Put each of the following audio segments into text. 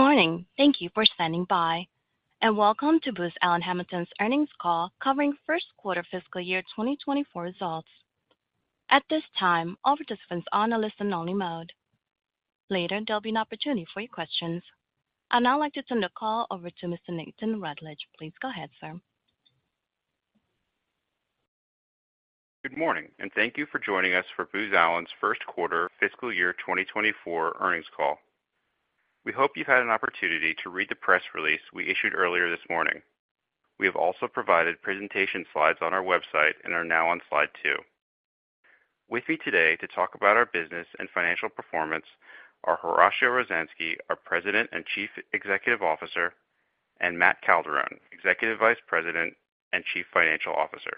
Good morning! Thank you for standing by, and welcome to Booz Allen Hamilton's Earnings Call, covering Q1 fiscal year 2024 results. At this time, all participants are on a listen-only mode. Later, there'll be an opportunity for your questions. I'd now like to turn the call over to Mr. Nathan Rutledge. Please go ahead, sir. Good morning. Thank you for joining us for Booz Allen's Q1 fiscal year 2024 earnings call. We hope you've had an opportunity to read the press release we issued earlier this morning. We have also provided presentation slides on our website and are now on slide two. With me today to talk about our business and financial performance are Horacio Rozanski, our President and Chief Executive Officer, and Matt Calderone, Executive Vice President and Chief Financial Officer.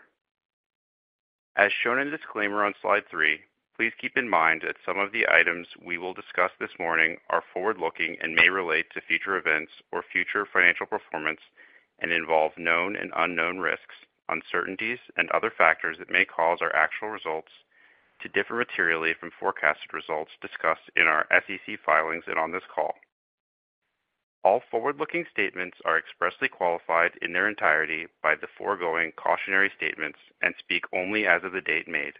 As shown in the disclaimer on slide three, please keep in mind that some of the items we will discuss this morning are forward-looking and may relate to future events or future financial performance and involve known and unknown risks, uncertainties, and other factors that may cause our actual results to differ materially from forecasted results discussed in our SEC filings and on this call. All forward-looking statements are expressly qualified in their entirety by the foregoing cautionary statements and speak only as of the date made.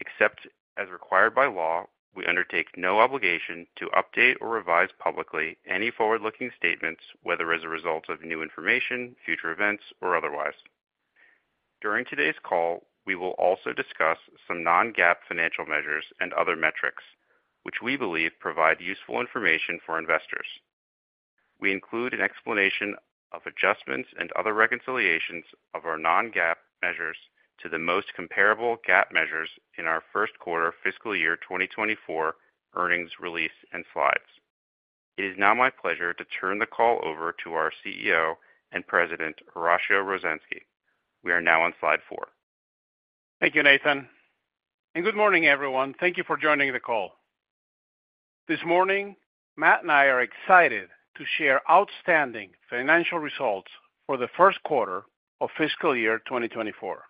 Except as required by law, we undertake no obligation to update or revise publicly any forward-looking statements, whether as a result of new information, future events, or otherwise. During today's call, we will also discuss some non-GAAP financial measures and other metrics, which we believe provide useful information for investors. We include an explanation of adjustments and other reconciliations of our non-GAAP measures to the most comparable GAAP measures in our Q1 fiscal year 2024 earnings release and slides. It is now my pleasure to turn the call over to our CEO and President, Horacio Rozanski. We are now on slide four. Thank you, Nathan. Good morning, everyone. Thank you for joining the call. This morning, Matt and I are excited to share outstanding financial results for the Q1 of fiscal year 2024.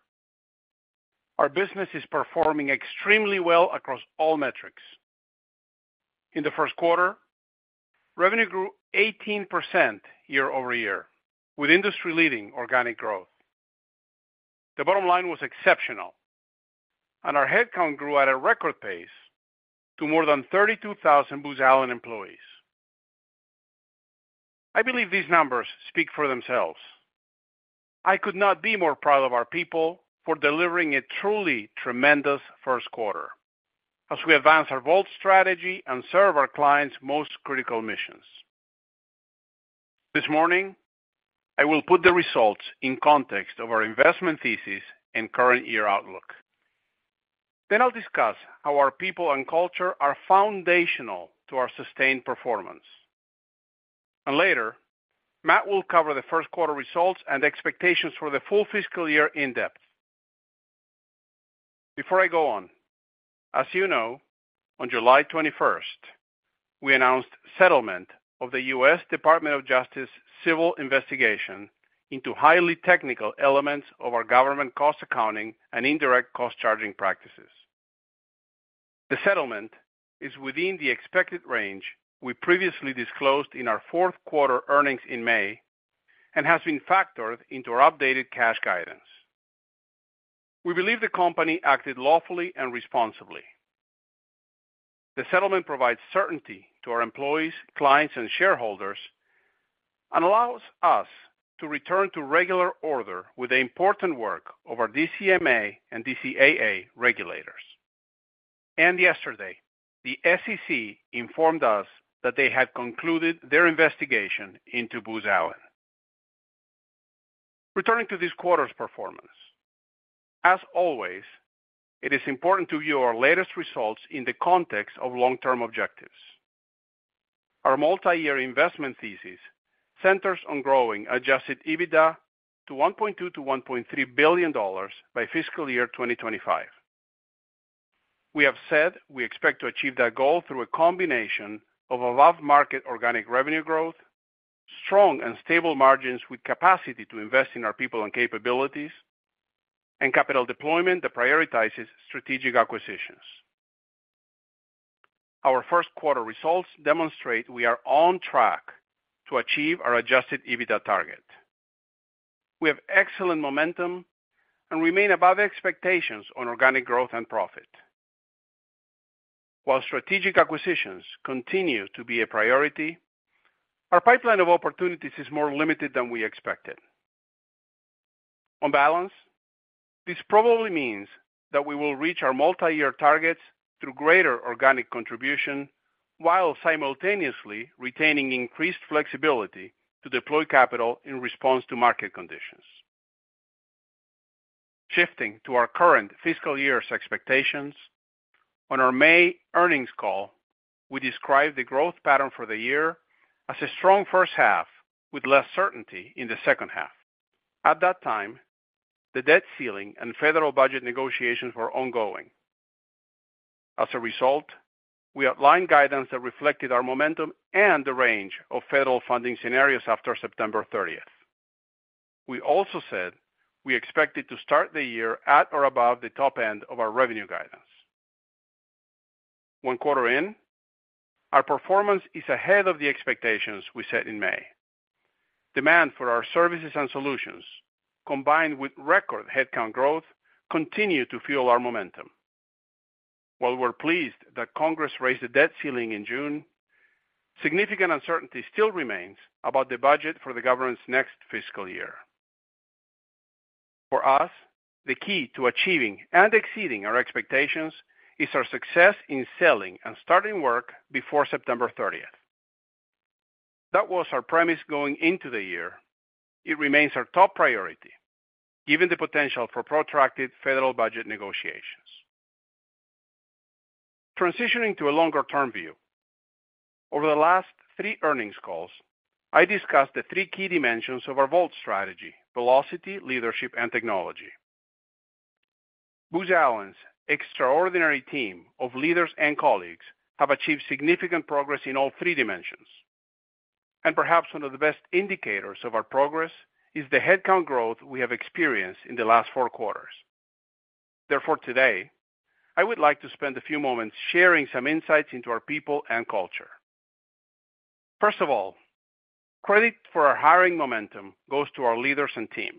Our business is performing extremely well across all metrics. In the Q1, revenue grew 18% year-over-year, with industry-leading organic growth. The bottom line was exceptional, and our headcount grew at a record pace to more than 32,000 Booz Allen employees. I believe these numbers speak for themselves. I could not be more proud of our people for delivering a truly tremendous Q1 as we advance our VoLT strategy and serve our clients' most critical missions. This morning, Horacio, I will put the results in context of our investment thesis and current year outlook. I'll discuss how our people and culture are foundational to our sustained performance. Later, Matt will cover the Q1 results and expectations for the full fiscal year in depth. Before I go on, as you know, on July 21st, we announced settlement of the U.S. Department of Justice civil investigation into highly technical elements of our government cost accounting and indirect cost charging practices. The settlement is within the expected range we previously disclosed in our Q4 earnings in May and has been factored into our updated cash guidance. We believe the company acted lawfully and responsibly. The settlement provides certainty to our employees, clients, and shareholders and allows us to return to regular order with the important work of our DCMA and DCAA regulators. Yesterday, the SEC informed us that they had concluded their investigation into Booz Allen. Returning to this quarter's performance. As always, it is important to view our latest results in the context of long-term objectives. Our multi-year investment thesis centers on growing Adjusted EBITDA to $1.2 billion-$1.3 billion by fiscal year 2025. We have said we expect to achieve that goal through a combination of above-market organic revenue growth, strong and stable margins with capacity to invest in our people and capabilities, and capital deployment that prioritizes strategic acquisitions. Our Q1 results demonstrate we are on track to achieve our Adjusted EBITDA target. We have excellent momentum and remain above expectations on organic growth and profit. Strategic acquisitions continue to be a priority, our pipeline of opportunities is more limited than we expected. On balance, this probably means that we will reach our multi-year targets through greater organic contribution while simultaneously retaining increased flexibility to deploy capital in response to market conditions. Shifting to our current fiscal year's expectations, on our May earnings call, we described the growth pattern for the year as a strong H1 with less certainty in the H2. At that time, the debt ceiling and federal budget negotiations were ongoing. We outlined guidance that reflected our momentum and the range of federal funding scenarios after September 30th. We also said we expected to start the year at or above the top end of our revenue guidance. One quarter in, our performance is ahead of the expectations we set in May. Demand for our services and solutions, combined with record headcount growth, continue to fuel our momentum. While we're pleased that congress raised the debt ceiling in June, significant uncertainty still remains about the budget for the government's next fiscal year. For us, the key to achieving and exceeding our expectations is our success in selling and starting work before September 30th. That was our premise going into the year. It remains our top priority, given the potential for protracted federal budget negotiations. Transitioning to a longer-term view, over the last three earnings calls, I discussed the three key dimensions of our VoLT strategy: velocity, leadership, and technology. Booz Allen's extraordinary team of leaders and colleagues have achieved significant progress in all three dimensions, and perhaps one of the best indicators of our progress is the headcount growth we have experienced in the last four quarters. Therefore, today, I would like to spend a few moments sharing some insights into our people and culture. First of all, credit for our hiring momentum goes to our leaders and team.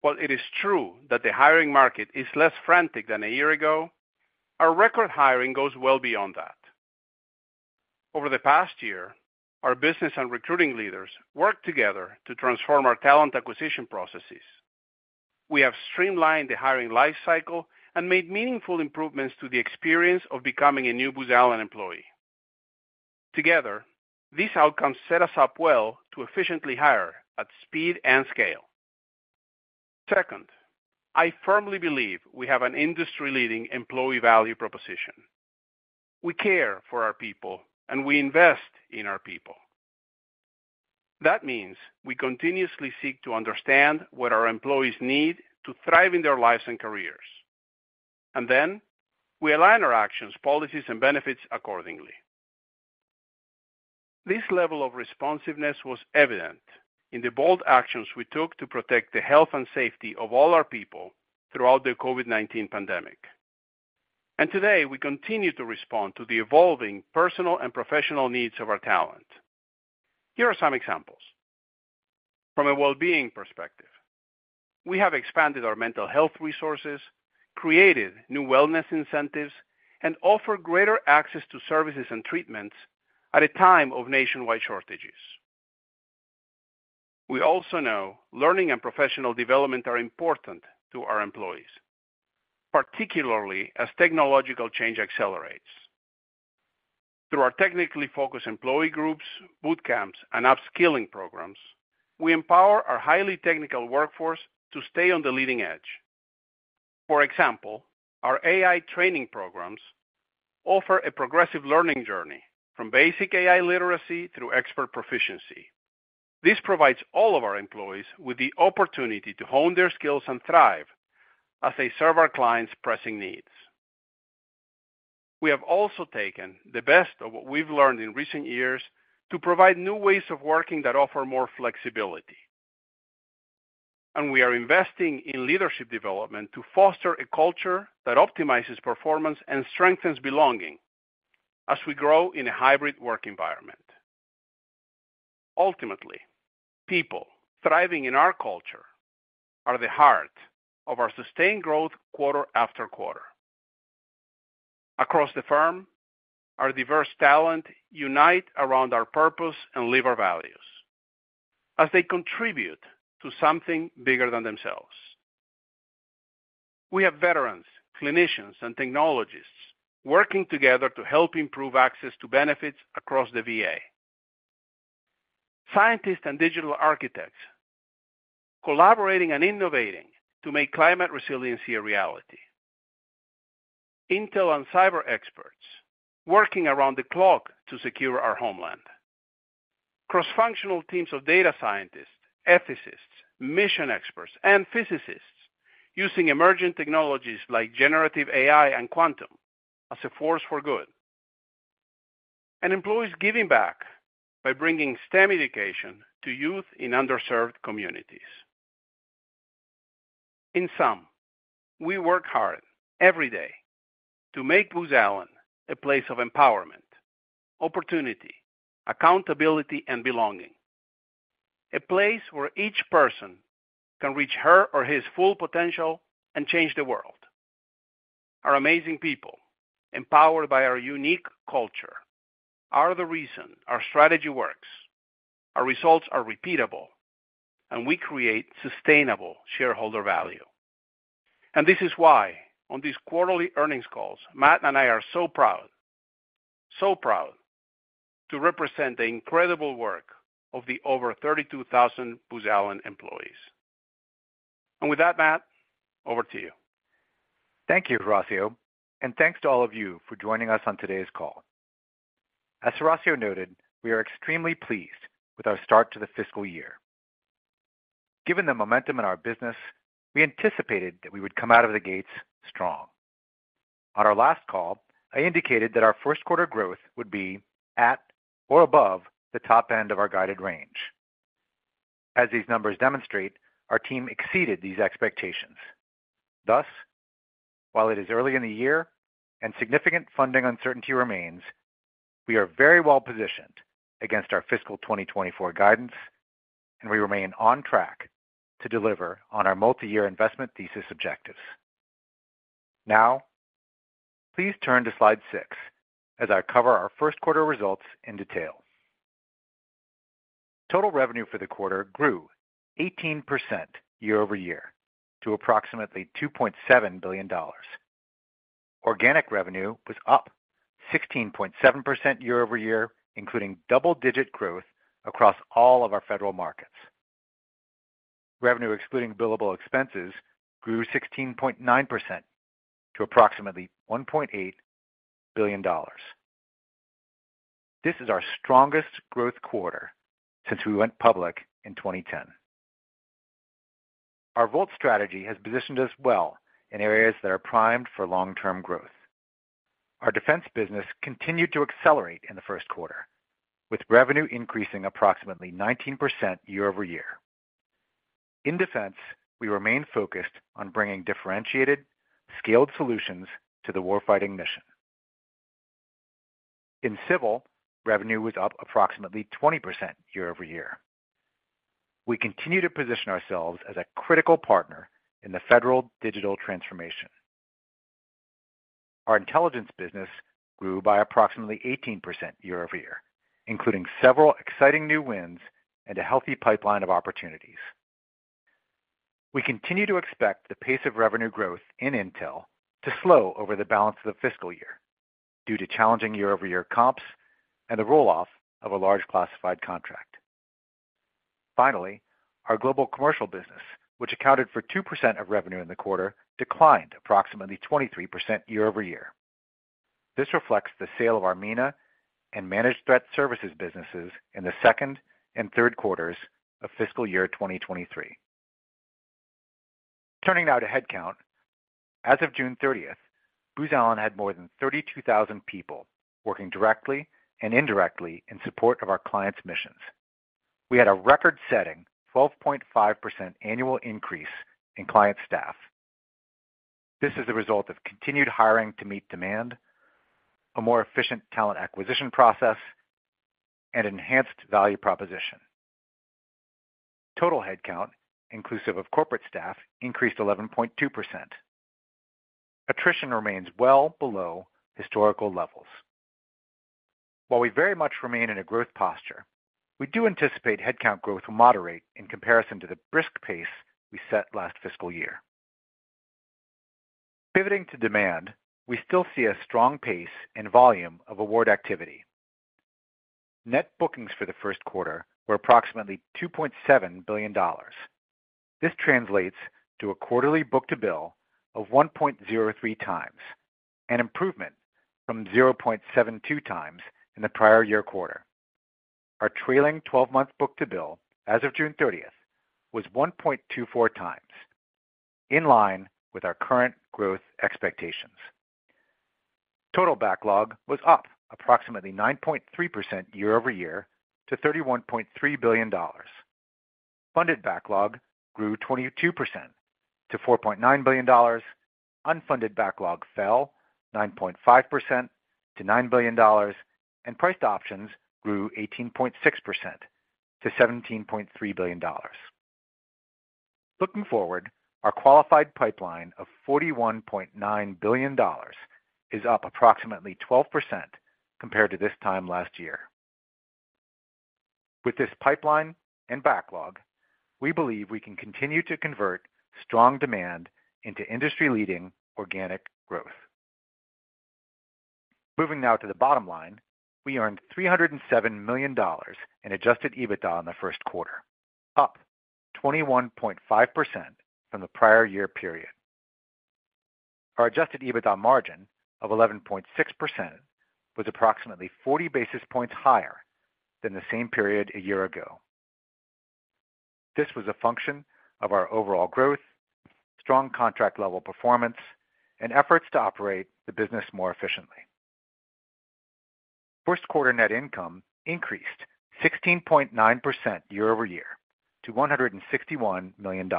While it is true that the hiring market is less frantic than a year ago, our record hiring goes well beyond that. Over the past year, our business and recruiting leaders worked together to transform our talent acquisition processes. We have streamlined the hiring life cycle and made meaningful improvements to the experience of becoming a new Booz Allen employee. Together, these outcomes set us up well to efficiently hire at speed and scale. Second, I firmly believe we have an industry-leading employee value proposition. We care for our people, and we invest in our people. That means we continuously seek to understand what our employees need to thrive in their lives and careers, and then we align our actions, policies, and benefits accordingly. This level of responsiveness was evident in the bold actions we took to protect the health and safety of all our people throughout the COVID-19 pandemic, and today, we continue to respond to the evolving personal and professional needs of our talent. Here are some examples. From a well-being perspective, we have expanded our mental health resources, created new wellness incentives, and offer greater access to services and treatments at a time of nationwide shortages. We also know learning and professional development are important to our employees, particularly as technological change accelerates. Through our technically focused employee groups, boot camps, and upskilling programs, we empower our highly technical workforce to stay on the leading edge. For example, our AI training programs offer a progressive learning journey from basic AI literacy through expert proficiency. This provides all of our employees with the opportunity to hone their skills and thrive as they serve our clients' pressing needs. We have also taken the best of what we've learned in recent years to provide new ways of working that offer more flexibility. We are investing in leadership development to foster a culture that optimizes performance and strengthens belonging as we grow in a hybrid work environment. Ultimately, people thriving in our culture are the heart of our sustained growth quarter after quarter. Across the firm, our diverse talent unite around our purpose and live our values as they contribute to something bigger than themselves. We have veterans, clinicians, and technologists working together to help improve access to benefits across the VA. Scientists and digital architects collaborating and innovating to make climate resiliency a reality. Intel and cyber experts working around the clock to secure our homeland. Cross-functional teams of data scientists, ethicists, mission experts, and physicists using emerging technologies like generative AI and quantum as a force for good. Employees giving back by bringing STEM education to youth in underserved communities. In some, we work hard every day to make Booz Allen a place of empowerment, opportunity, accountability, and belonging. A place where each person can reach her or his full potential and change the world. Our amazing people, empowered by our unique culture, are the reason our strategy works, our results are repeatable, and we create sustainable shareholder value. This is why, on these quarterly earnings calls, Matt and I are so proud, so proud to represent the incredible work of the over 32,000 Booz Allen employees. With that, Matt, over to you. Thank you, Horacio, and thanks to all of you for joining us on today's call. As Horacio noted, we are extremely pleased with our start to the fiscal year. Given the momentum in our business, we anticipated that we would come out of the gates strong. On our last call, I indicated that our Q1 growth would be at or above the top end of our guided range. As these numbers demonstrate, our team exceeded these expectations. Thus, while it is early in the year and significant funding uncertainty remains, we are very well positioned against our fiscal 2024 guidance, and we remain on track to deliver on our multi-year investment thesis objectives. Now, please turn to slide 6 as I cover our first quarter results in detail. Total revenue for the quarter grew 18% year-over-year to approximately $2.7 billion. Organic revenue was up 16.7% year-over-year, including double-digit growth across all of our federal markets. Revenue excluding billable expenses grew 16.9% to approximately $1.8 billion. This is our strongest growth quarter since we went public in 2010. Our VoLT strategy has positioned us well in areas that are primed for long-term growth. Our defense business continued to accelerate in the Q1, with revenue increasing approximately 19% year-over-year. In defense, we remain focused on bringing differentiated, scaled solutions to the warfighting mission. In civil, revenue was up approximately 20% year-over-year. We continue to position ourselves as a critical partner in the federal digital transformation. Our intelligence business grew by approximately 18% year-over-year, including several exciting new wins and a healthy pipeline of opportunities. We continue to expect the pace of revenue growth in intel to slow over the balance of the fiscal year due to challenging year-over-year comps and the roll-off of a large classified contract. Finally, our global commercial business, which accounted for 2% of revenue in the quarter, declined approximately 23% year-over-year. This reflects the sale of our MENA and Managed Threat Services businesses in the Q2 and Q3 of fiscal year 2023. Turning now to headcount. As of June 30th, Booz Allen had more than 32,000 people working directly and indirectly in support of our clients' missions. We had a record-setting 12.5% annual increase in client staff. This is the result of continued hiring to meet demand, a more efficient talent acquisition process, and enhanced value proposition. Total headcount, inclusive of corporate staff, increased 11.2%. Attrition remains well below historical levels. While we very much remain in a growth posture, we do anticipate headcount growth will moderate in comparison to the brisk pace we set last fiscal year. Pivoting to demand, we still see a strong pace and volume of award activity. Net bookings for the Q1 were approximately $2.7 billion. This translates to a quarterly book-to-bill of 1.03x, an improvement from 0.72x in the prior-year quarter. Our trailing 12-month book-to-bill as of June 30th was 1.24x, in line with our current growth expectations. Total backlog was up approximately 9.3% year-over-year to $31.3 billion. Funded backlog grew 22% to $4.9 billion. Unfunded backlog fell 9.5% to $9 billion, and priced options grew 18.6% to $17.3 billion. Looking forward, our qualified pipeline of $41.9 billion is up approximately 12% compared to this time last year. With this pipeline and backlog, we believe we can continue to convert strong demand into industry-leading organic growth. Moving now to the bottom line, we earned $307 million in Adjusted EBITDA in the Q1 up 21.5% from the prior year period. Our Adjusted EBITDA margin of 11.6% was approximately 40 basis points higher than the same period a year ago. This was a function of our overall growth, strong contract level performance, and efforts to operate the business more efficiently. First quarter net income increased 16.9% year-over-year to $161 million.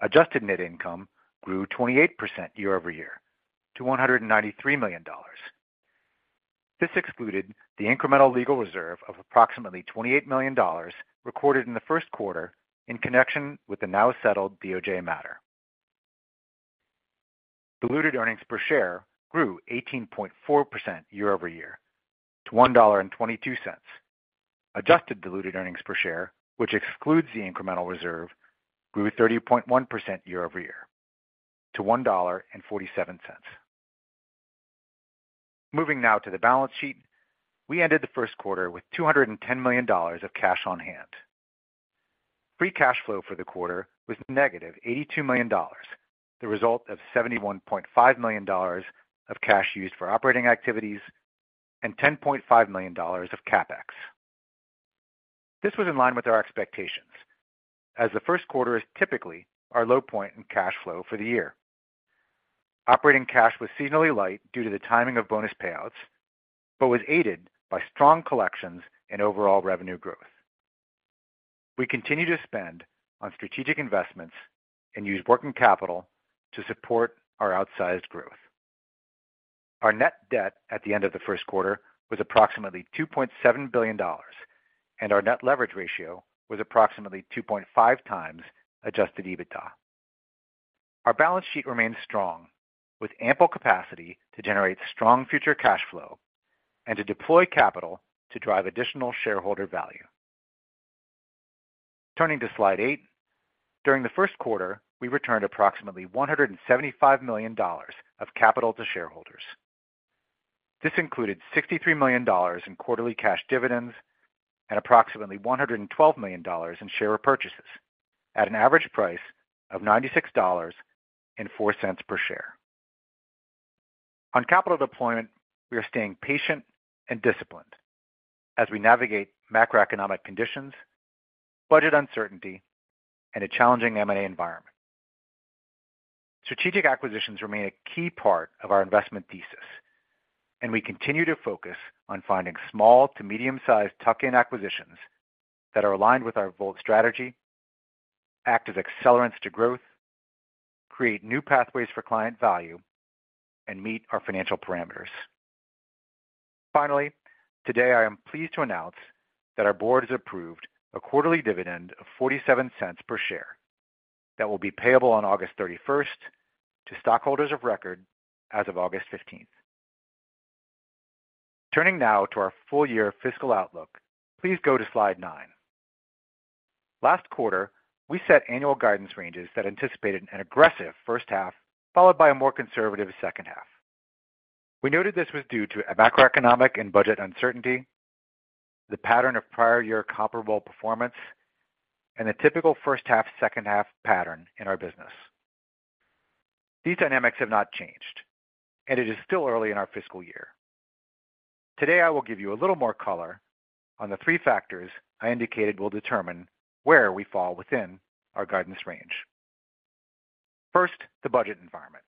Adjusted net income grew 28% year-over-year to $193 million. This excluded the incremental legal reserve of approximately $28 million recorded in the Q1 in connection with the now settled DOJ matter. Diluted Earnings Per Share grew 18.4% year-over-year to $1.22. Adjusted Diluted Earnings Per Share, which excludes the incremental reserve, grew 30.1% year-over-year to $1.47. Moving now to the balance sheet. We ended the Q1 with $210 million of cash on hand. Free cash flow for the quarter was -$82 million, the result of $71.5 million of cash used for operating activities and $10.5 million of CapEx. This was in line with our expectations, as the Q1 is typically our low point in cash flow for the year. Operating cash was seasonally light due to the timing of bonus payouts, but was aided by strong collections and overall revenue growth. We continue to spend on strategic investments and use working capital to support our outsized growth. Our net debt at the end of the Q1 was approximately $2.7 billion, and our net leverage ratio was approximately 2.5x Adjusted EBITDA. Our balance sheet remains strong, with ample capacity to generate strong future cash flow and to deploy capital to drive additional shareholder value. Turning to slide eight. During the Q1, we returned approximately $175 million of capital to shareholders. This included $63 million in quarterly cash dividends and approximately $112 million in share repurchases at an average price of $96.04 per share. On capital deployment, we are staying patient and disciplined as we navigate macroeconomic conditions, budget uncertainty, and a challenging M&A environment. Strategic acquisitions remain a key part of our investment thesis, and we continue to focus on finding small to medium-sized tuck-in acquisitions that are aligned with our VoLT strategy, act as accelerants to growth, create new pathways for client value, and meet our financial parameters. Finally, today, I am pleased to announce that our board has approved a quarterly dividend of $0.47 per share that will be payable on August 31st, 2024 to stockholders of record as of August 15th, 2020 Turning now to our full-year fiscal outlook, please go to slide nine. Last quarter, we set annual guidance ranges that anticipated an aggressive H1, followed by a more conservative H2. We noted this was due to a macroeconomic and budget uncertainty, the pattern of prior year comparable performance, and a typical H1, H2 pattern in our business. These dynamics have not changed, it is still early in our fiscal year. Today, I will give you a little more color on the three factors I indicated will determine where we fall within our guidance range. First, the budget environment.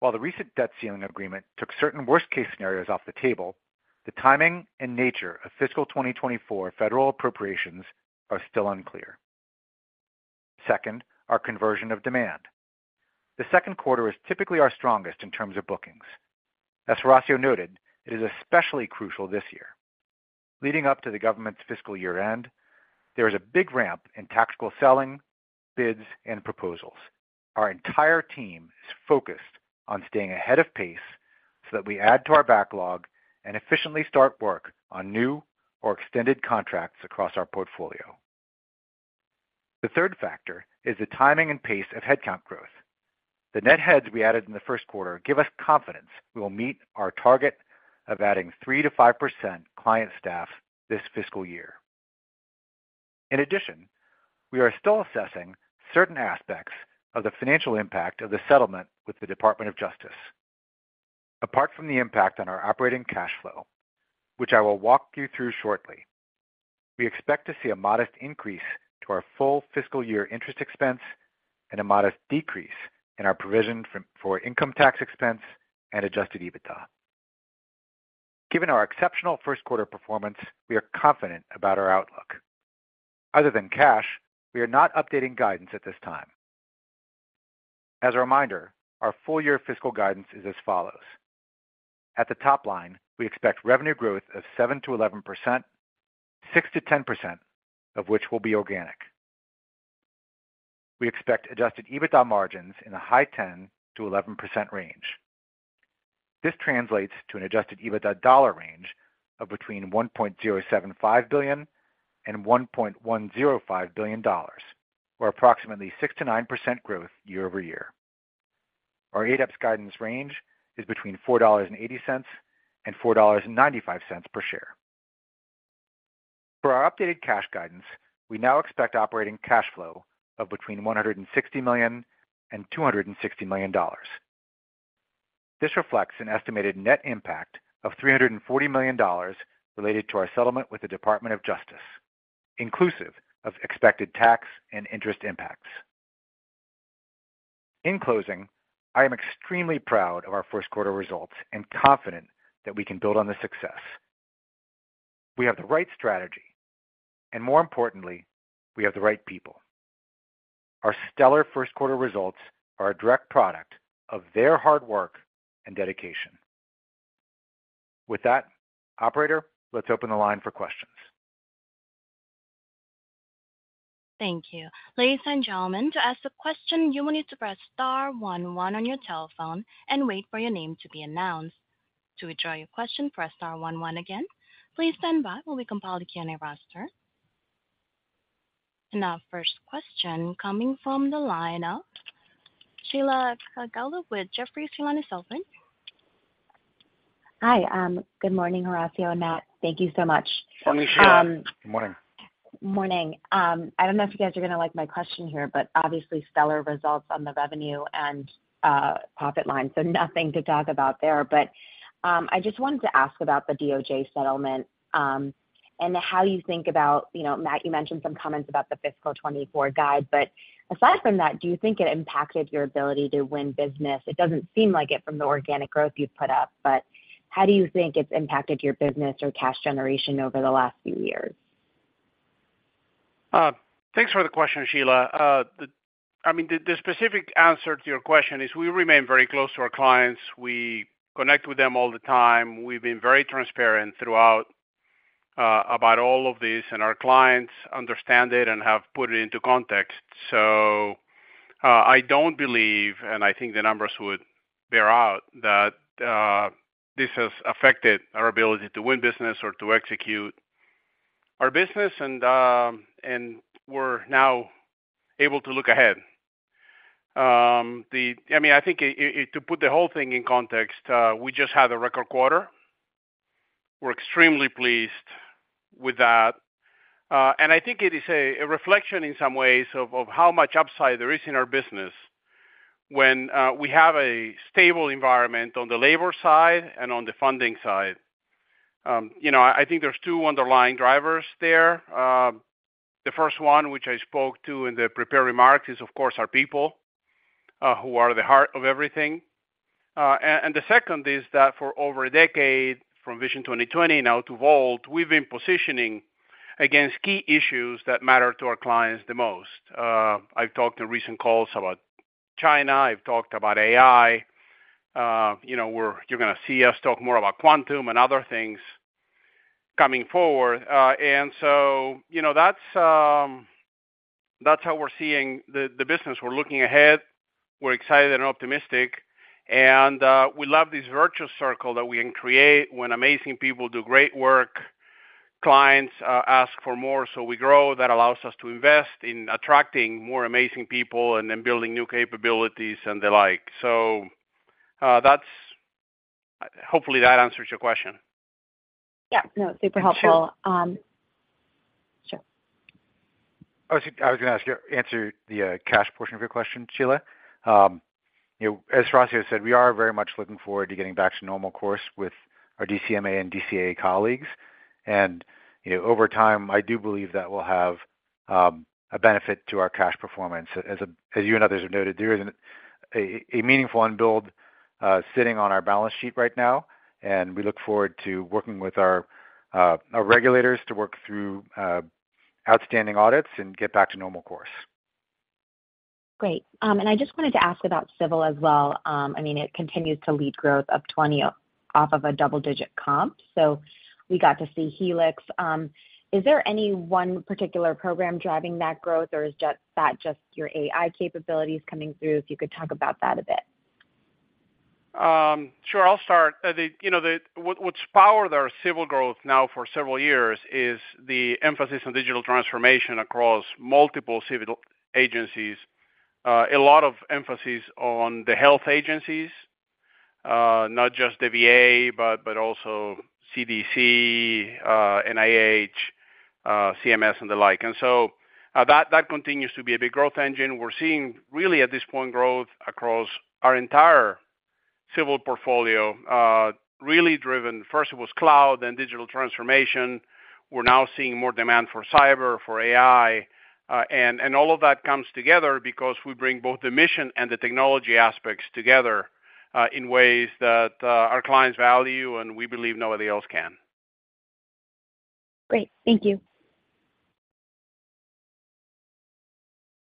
While the recent debt ceiling agreement took certain worst-case scenarios off the table, the timing and nature of fiscal 2024 federal appropriations are still unclear. Second, our conversion of demand. The Q2 is typically our strongest in terms of bookings. As Horacio noted, it is especially crucial this year. Leading up to the government's fiscal year-end, there is a big ramp in tactical selling, bids, and proposals. Our entire team is focused on staying ahead of pace so that we add to our backlog and efficiently start work on new or extended contracts across our portfolio. The third factor is the timing and pace of headcount growth. The net heads we added in the Q1 give us confidence we will meet our target of adding 3% -5% client staff this fiscal year. In addition, we are still assessing certain aspects of the financial impact of the settlement with the Department of Justice. Apart from the impact on our operating cash flow, which I will walk you through shortly, we expect to see a modest increase to our full fiscal year interest expense and a modest decrease in our provision for income tax expense and Adjusted EBITDA. Given our exceptional Q1 performance, we are confident about our outlook. Other than cash, we are not updating guidance at this time. As a reminder, our full-year fiscal guidance is as follows: At the top line, we expect revenue growth of 7%-11%, 6%-10% of which will be organic. We expect Adjusted EBITDA margins in a high 10%-11% range. This translates to an Adjusted EBITDA dollar range of between $1.075 billion and $1.105 billion, or approximately 6%-9% growth year-over-year. Our ADEPS guidance range is between $4.80 and $4.95 per share. For our updated cash guidance, we now expect operating cash flow of between $160 million and $260 million. This reflects an estimated net impact of $340 million related to our settlement with the Department of Justice, inclusive of expected tax and interest impacts. In closing, I am extremely proud of our Q1 results and confident that we can build on this success. We have the right strategy, more importantly, we have the right people. Our stellar Q1 results are a direct product of their hard work and dedication. With that, operator, let's open the line for questions. Thank you. Ladies and gentlemen, to ask a question, you will need to press star one one on your telephone and wait for your name to be announced. To withdraw your question, press star one one again. Please stand by while we compile the Q&A roster. Our first question coming from the line of Sheila Kahyaoglu with Jefferies. Hi, good morning, Horacio and Matt. Thank you so much. Morning, Sheila. Good morning. Morning. I don't know if you guys are gonna like my question here, but obviously stellar results on the revenue and profit line, so nothing to talk about there. I just wanted to ask about the DOJ settlement, and how you think about, you know, Matt, you mentioned some comments about the fiscal 2024 guide, but aside from that, do you think it impacted your ability to win business? It doesn't seem like it from the organic growth you've put up, but how do you think it's impacted your business or cash generation over the last few years? Thanks for the question, Sheila. I mean, the specific answer to your question is we remain very close to our clients. We connect with them all the time. We've been very transparent throughout about all of this, and our clients understand it and have put it into context. I don't believe, and I think the numbers would bear out, that this has affected our ability to win business or to execute our business, and we're now able to look ahead. I mean, I think to put the whole thing in context, we just had a record quarter. We're extremely pleased with that. I think it is a, a reflection in some ways of, of how much upside there is in our business when we have a stable environment on the labor side and on the funding side. You know, I think there's two underlying drivers there. The first one, which I spoke to in the prepared remarks, is, of course, our people, who are the heart of everything. The second is that, for over a decade from Vision 2020 now to VoLT, we've been positioning against key issues that matter to our clients the most. I've talked in recent calls about China, I've talked about AI. You know, you're gonna see us talk more about quantum and other things coming forward. You know, that's, that's how we're seeing the business. We're looking ahead, we're excited and optimistic, and we love this virtual circle that we can create when amazing people do great work, clients ask for more, so we grow. That allows us to invest in attracting more amazing people and then building new capabilities and the like. That's. Hopefully, that answers your question. Yeah. No, super helpful. Sure. I was gonna answer the cash portion of your question, Sheila. You know, as Horacio said, we are very much looking forward to getting back to normal course with our DCMA and DCAA colleagues. You know, over time, I do believe that will have a benefit to our cash performance. As you and others have noted, there is a meaningful unfold sitting on our balance sheet right now, and we look forward to working with our regulators to work through outstanding audits and get back to normal course. Great. I just wanted to ask about Civil as well. I mean, it continues to lead growth of 20 off of a double-digit comp, so we got to see Helix. Is there any one particular program driving that growth, or is just that just your AI capabilities coming through? If you could talk about that a bit. Sure, I'll start. What's powered our Civil growth now for several years is the emphasis on digital transformation across multiple civil agencies. A lot of emphasis on the health agencies, not just the VA, but, but also CDC, NIH, CMS, and the like. That, that continues to be a big growth engine. We're seeing, really, at this point, growth across our entire Civil portfolio, really driven. First, it was cloud, then digital transformation. We're now seeing more demand for cyber, for AI, and, and all of that comes together because we bring both the mission and the technology aspects together, in ways that our clients value and we believe nobody else can. Great. Thank you.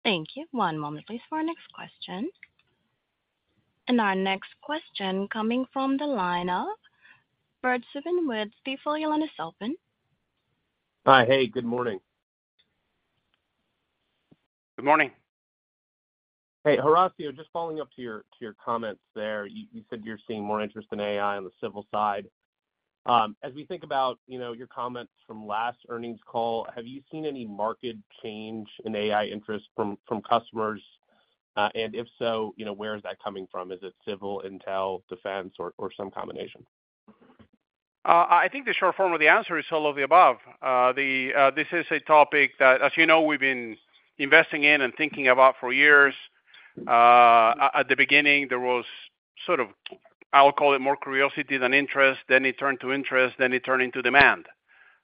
Thank you. One moment, please, for our next question. Our next question coming from the line of Bert Subin with Stifel. Your line is open. Hi. Hey, good morning. Good morning. Hey, Horacio, just following up to your, to your comments there. You said you're seeing more interest in AI on the Civil side. As we think about, you know, your comments from last earnings call, have you seen any market change in AI interest from, from customers? If so, you know, where is that coming from? Is it Civil, Intel, Defense, or, or some combination? I think the short form of the answer is all of the above. This is a topic that, as you know, we've been investing in and thinking about for years. At the beginning, there was sort of, I'll call it, more curiosity than interest, then it turned to interest, then it turned into demand.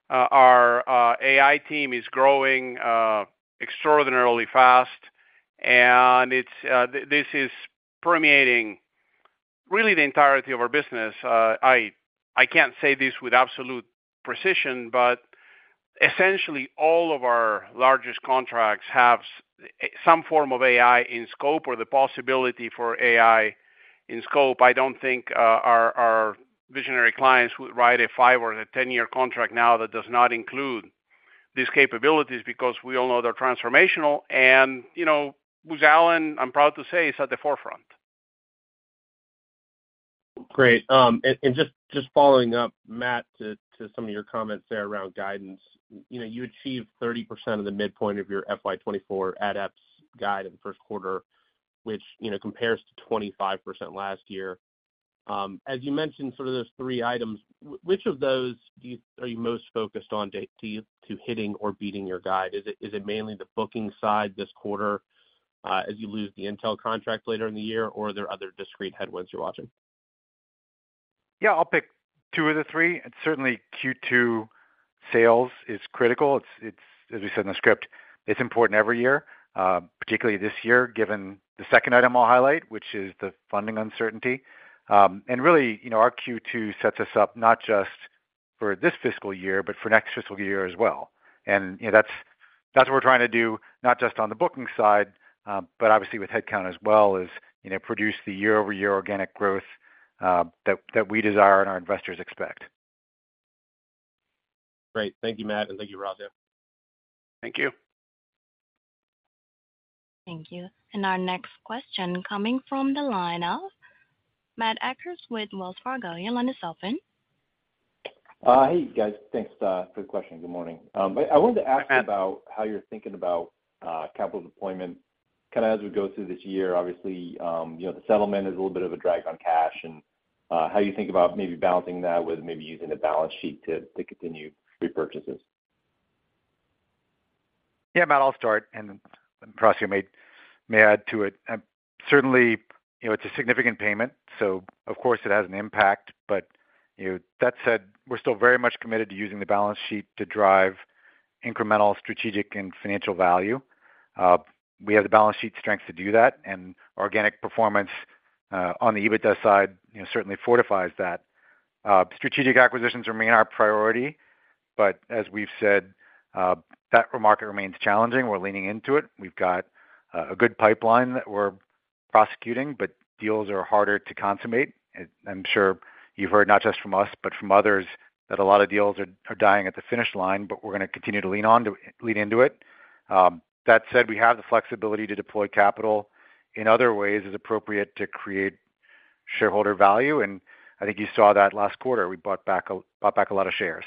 Our AI team is growing extraordinarily fast, and this is permeating really the entirety of our business. I can't say this with absolute precision, but essentially all of our largest contracts have some form of AI in scope, or the possibility for AI in scope. I don't think our visionary clients would write a five or a 10-year contract now that does not include these capabilities, because we all know they're transformational. You know, Booz Allen, I'm proud to say, is at the forefront. Great. And, and just, just following up, Matt, to, to some of your comments there around guidance. You know, you achieved 30% of the midpoint of your FY 2024 ADEPS guide in the Q1, which, you know, compares to 25% last year. As you mentioned, sort of those three items, which of those do you, are you most focused on to, to hitting or beating your guide? Is it, is it mainly the booking side this quarter, as you lose the Intel contract later in the year, or are there other discrete headwinds you're watching? Yeah, I'll pick two of the three. It's certainly Q2 sales is critical. It's, it's as we said in the script, it's important every year, particularly this year, given the second item I'll highlight, which is the funding uncertainty. Really, you know, our Q2 sets us up not just for this fiscal year, but for next fiscal year as well. You know, that's, that's what we're trying to do, not just on the booking side, but obviously with headcount as well as, you know, produce the year-over-year organic growth that, that we desire and our investors expect. Great. Thank you, Matt, and thank you, Horacio, there. Thank you. Thank you. Our next question coming from the line of Matt Akers with Wells Fargo, your line is open. Hey, guys, thanks for the question. Good morning. I wanted to ask about how you're thinking about Capital Deployment kinda as we go through this year. Obviously, you know, the settlement is a little bit of a drag on cash, and how you think about maybe balancing that with maybe using the balance sheet to, to continue repurchases. Yeah, Matt, I'll start. Horacio may, may add to it. Certainly, you know, it's a significant payment, so of course, it has an impact. You know, that said, we're still very much committed to using the balance sheet to drive incremental strategic and financial value. We have the balance sheet strength to do that, and organic performance, on the EBITDA side, you know, certainly fortifies that. Strategic acquisitions remain our priority. As we've said, that market remains challenging. We're leaning into it. We've got a good pipeline that we're prosecuting. Deals are harder to consummate. I'm sure you've heard, not just from us, but from others, that a lot of deals are, are dying at the finish line. We're gonna continue to lean into it. That said, we have the flexibility to deploy capital in other ways, it's appropriate to create shareholder value, and I think you saw that last quarter, we bought back a lot of shares.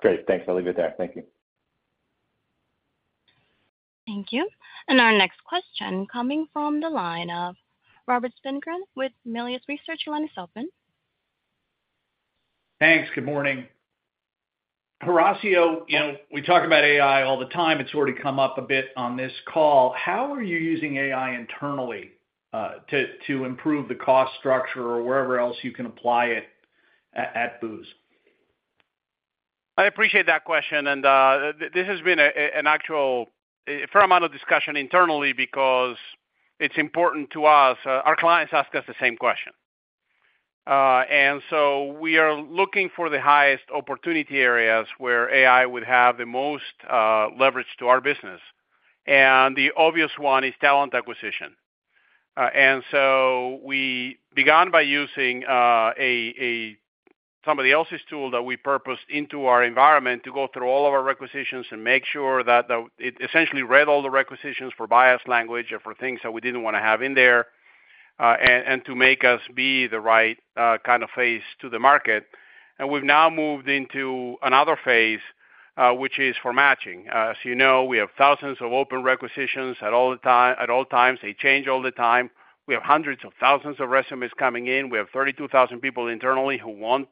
Great. Thanks. I'll leave it there. Thank you. Thank you. Our next question coming from the line of Robert Spingarn with Melius Research. Your line is open. Thanks. Good morning. Horacio, you know, we talk about AI all the time, it's already come up a bit on this call. How are you using AI internally, to, to improve the cost structure or wherever else you can apply it at, at Booz? I appreciate that question, and this has been an actual a fair amount of discussion internally because it's important to us. Our clients ask us the same question. So we are looking for the highest opportunity areas where AI would have the most leverage to our business, and the obvious one is talent acquisition. So we begun by using somebody else's tool that we purposed into our environment to go through all of our requisitions and make sure that the it essentially read all the requisitions for bias language or for things that we didn't wanna have in there, and to make us be the right kind of face to the market. We've now moved into another phase, which is for matching. As you know, we have thousands of open requisitions at all the time, at all times. They change all the time. We have hundreds of thousands of resumes coming in. We have 32,000 people internally who want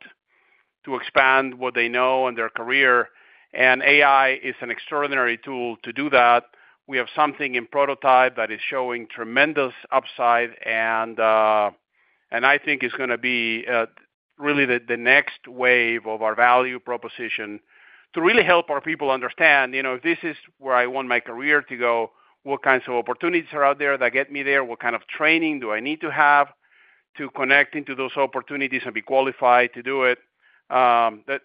to expand what they know in their career, and AI is an extraordinary tool to do that. We have something in prototype that is showing tremendous upside and, and I think is gonna be really the, the next wave of our value proposition to really help our people understand, you know, this is where I want my career to go. What kinds of opportunities are out there that get me there? What kind of training do I need to have to connect into those opportunities and be qualified to do it? That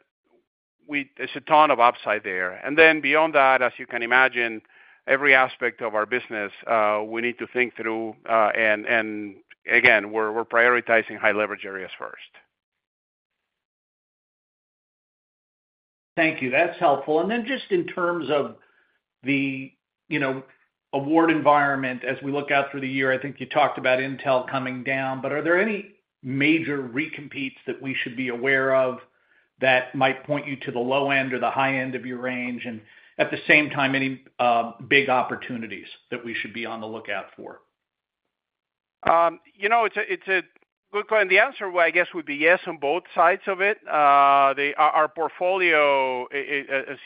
we there's a ton of upside there. Then beyond that, as you can imagine, every aspect of our business, we need to think through, and, and again, we're, we're prioritizing high leverage areas first. Thank you. That's helpful. Just in terms of the, you know, award environment as we look out through the year, I think you talked about Intel coming down, but are there any major re-competes that we should be aware of that might point you to the low end or the high end of your range, and at the same time, any big opportunities that we should be on the lookout for? You know, it's a, it's a good point, the answer, I guess, would be yes on both sides of it. The... Our, our portfolio, as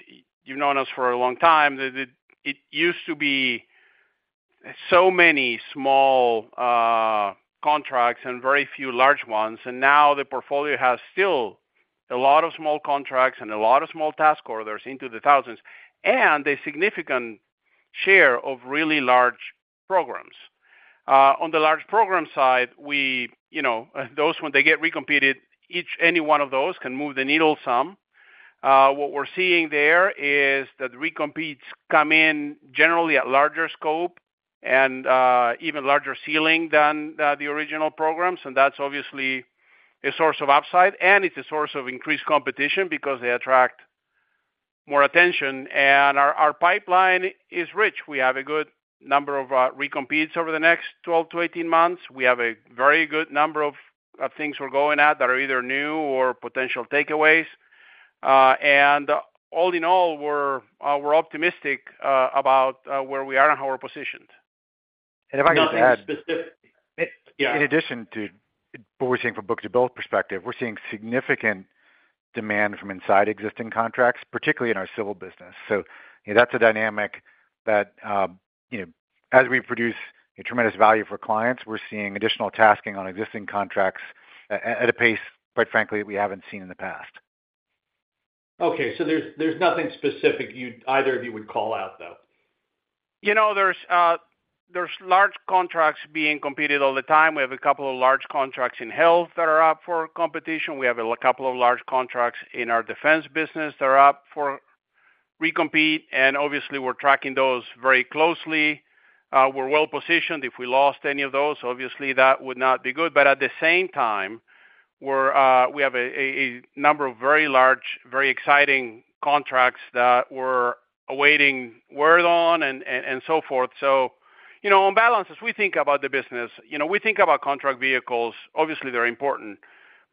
you've known us for a long time, it, it used to be so many small contracts and very few large ones, and now the portfolio has still a lot of small contracts and a lot of small task orders into the thousands, and a significant share of really large programs. On the large program side, we, you know, those, when they get re-competed, each, any one of those can move the needle some. What we're seeing there is that re-competes come in generally at larger scope and even larger ceiling than the original programs, and that's obviously a source of upside, and it's a source of increased competition because they attract more attention. Our, our pipeline is rich. We have a number of re-competes over the next 12 to 18 months. We have a very good number of, of things we're going at that are either new or potential takeaways. All in all, we're optimistic about where we are and how we're positioned. If I can add. Nothing specific. In addition to what we're seeing from a book-to-bill perspective, we're seeing significant demand from inside existing contracts, particularly in our civil business. That's a dynamic that, you know, as we produce a tremendous value for clients, we're seeing additional tasking on existing contracts at a pace, quite frankly, we haven't seen in the past. Okay, there's nothing specific you'd either of you would call out, though? You know, there's large contracts being competed all the time. We have a couple of large contracts in health that are up for competition. We have a couple of large contracts in our defense business that are up for re-compete, and obviously, we're tracking those very closely. We're well positioned. If we lost any of those, obviously, that would not be good. At the same time, we're we have a number of very large, very exciting contracts that we're awaiting word on and, and so forth. You know, on balance, as we think about the business, you know, we think about contract vehicles. Obviously, they're important,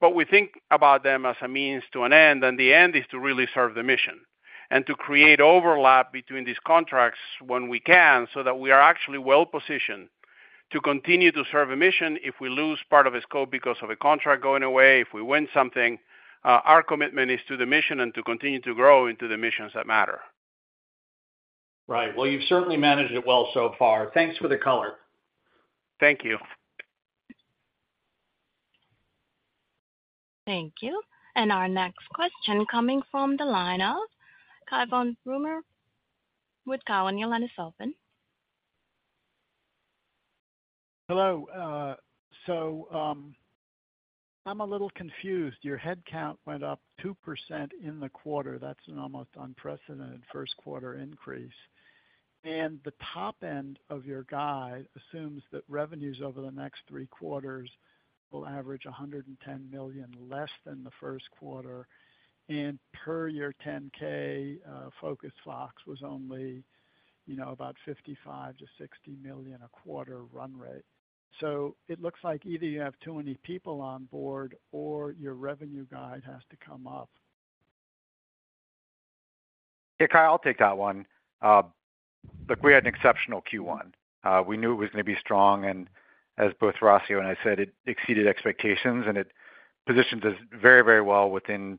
but we think about them as a means to an end, and the end is to really serve the mission and to create overlap between these contracts when we can, so that we are actually well-positioned to continue to serve a mission if we lose part of a scope because of a contract going away, if we win something. Our commitment is to the mission and to continue to grow into the missions that matter. Right. Well, you've certainly managed it well so far. Thanks for the color. Thank you. Thank you. Our next question coming from the line of Cai von Rumohr with Cowen. Your line is open. Hello. I'm a little confused. Your headcount went up 2% in the quarter. That's an almost unprecedented Q1 increase, the top end of your guide assumes that revenues over the next three quarters will average $110 million, less than the Q1, and per your 10-K, Focus Fox was only, you know, about $55 million-$60 million a quarter run rate. It looks like either you have too many people on board or your revenue guide has to come up. Hey, Cai, I'll take that one. Look, we had an exceptional Q1. We knew it was going to be strong, and as both Rozanski and I said, it exceeded expectations, and it positions us very, very well within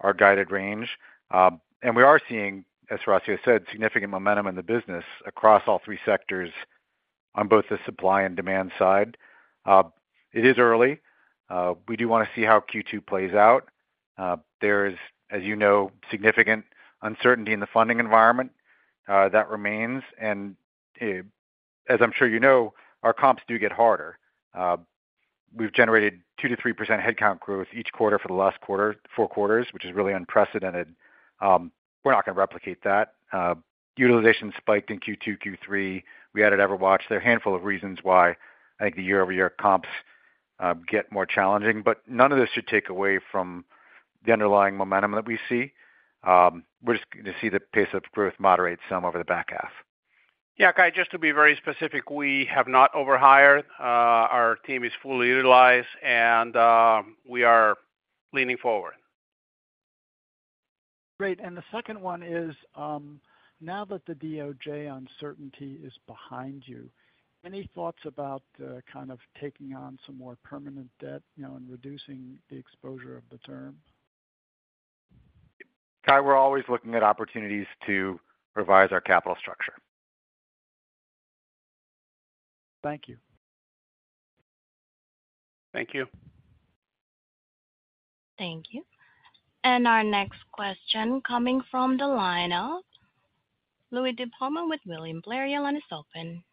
our guided range. We are seeing, as Rozanski said, significant momentum in the business across all three sectors on both the supply and demand side. It is early. We do want to see how Q2 plays out. There's, as you know, significant uncertainty in the funding environment that remains. As I'm sure you know, our comps do get harder. We've generated 2% to 3% headcount growth each quarter for the last quarter- four quarters, which is really unprecedented. We're not going to replicate that. Utilization spiked in Q2, Q3. We added [EverWatch]. There are a handful of reasons why I think the year-over-year comps get more challenging. None of this should take away from the underlying momentum that we see. We're just going to see the pace of growth moderate some over the back half. Yeah, Cai, just to be very specific, we have not over hired. Our team is fully utilized, and we are leaning forward. Great. The second one is, now that the DOJ uncertainty is behind you, any thoughts about, kind of taking on some more permanent debt, you know, and reducing the exposure of the term? Cai, we're always looking at opportunities to revise our capital structure. Thank you. Thank you. Thank you. Our next question coming from the line of Louie DiPalma with William Blair. Your line is open.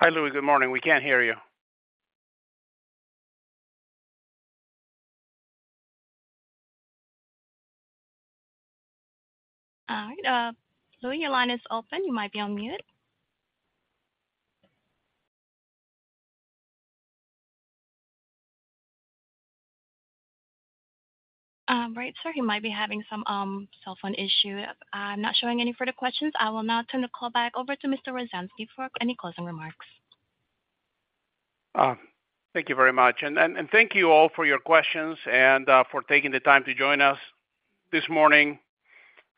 Hi, Louie. Good morning. We can't hear you. All right, Louie, your line is open. You might be on mute. Right, sir, you might be having some cell phone issue. I'm not showing any further questions. I will now turn the call back over to Mr. Rozanski for any closing remarks. Thank you very much. Thank you all for your questions and for taking the time to join us this morning.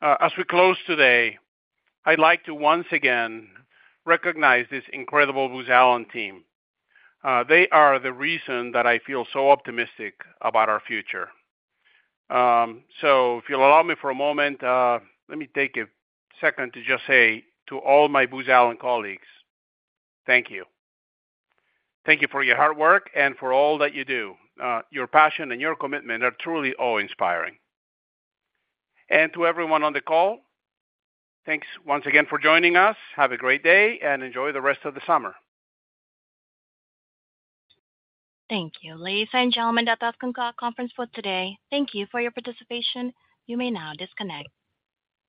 As we close today, I'd like to once again recognize this incredible Booz Allen team. They are the reason that I feel so optimistic about our future. If you'll allow me for a moment, let me take a second to just say to all my Booz Allen colleagues, thank you. Thank you for your hard work and for all that you do. Your passion and your commitment are truly awe-inspiring. To everyone on the call, thanks once again for joining us. Have a great day, and enjoy the rest of the summer. Thank you. Ladies and gentlemen, that concludes our conference for today. Thank you for your participation. You may now disconnect.